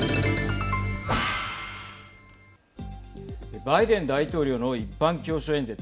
バイデン大統領の一般教書演説。